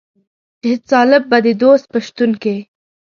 چې هېڅ طالب به د دوستم په شتون کې.